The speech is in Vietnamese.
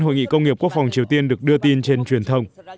hội nghị công nghiệp quốc phòng triều tiên được đưa tin trên truyền thông